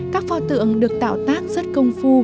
các phò tượng được tạo tác rất công phu